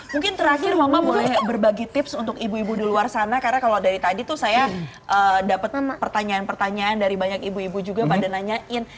mungkin terakhir mama boleh berbagi tips untuk ibu ibu di luar sana karena kalau dari tadi tuh saya dapat pertanyaan pertanyaan dari banyak ibu ibu juga pada nanyain